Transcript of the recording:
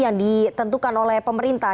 yang ditentukan oleh pemerintah